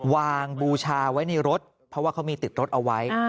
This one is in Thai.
บูชาไว้ในรถเพราะว่าเขามีติดรถเอาไว้